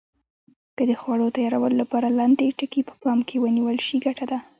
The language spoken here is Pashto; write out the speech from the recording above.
که د خوړو تیارولو لپاره لاندې ټکي په پام کې ونیول شي ګټه ده.